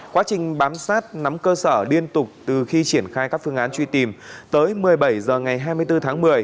quá trình bám sát nắm cơ sở liên tục từ khi triển khai các phương án truy tìm tới một mươi bảy h ngày hai mươi bốn tháng một mươi